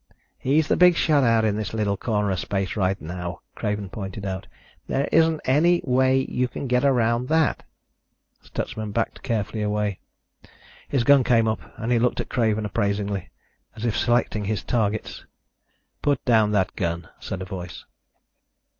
"He's the big shot out in this little corner of space right now," Craven pointed out. "There isn't any way you can get around that." Stutsman backed carefully away. His gun came up and he looked at Craven appraisingly, as if selecting his targets. "Put down that gun," said a voice.